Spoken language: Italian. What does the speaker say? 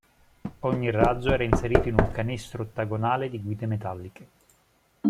Ogni razzo era inserito in un canestro ottagonale di guide metalliche.